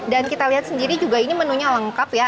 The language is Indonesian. dan kita lihat sendiri juga ini menunya lengkap ya